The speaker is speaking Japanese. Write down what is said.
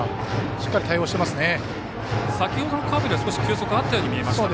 しっかり対応していますね。